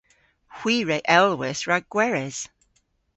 Hwi re elwis rag gweres.